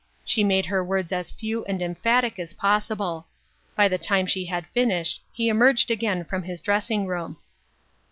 She made her words as few and emphatic as possible. By the time she had finished, he emerged again from his dressing room.